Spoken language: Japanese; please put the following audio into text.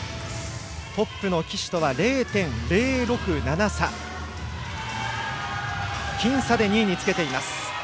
トップの岸とは０．０６７差僅差で２位につけています、宮田。